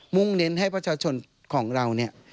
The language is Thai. ่งเน้นให้ประชาชนของเราเนี่ย